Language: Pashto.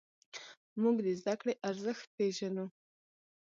موږ د زدهکړې ارزښت پېژنو.